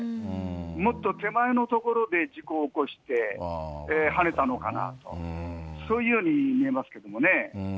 もっと手前の所で事故を起こして、はねたのかなと、そういうように見えますけどもね。